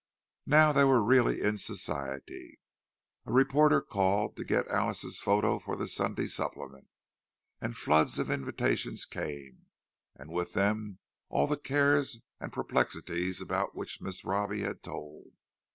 Now they were really in Society. A reporter called to get Alice's photo for the Sunday supplement; and floods of invitations came—and with them all the cares and perplexities about which Mrs. Robbie had told.